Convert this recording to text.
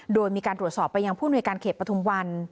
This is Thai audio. โดยมีการตรวจสอบไปยังผู้หน่วยการเขตปฐุมวัน